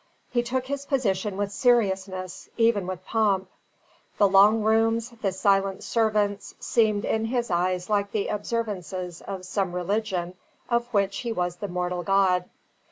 He took his position with seriousness, even with pomp; the long rooms, the silent servants, seemed in his eyes like the observances of some religion of which he was the mortal god.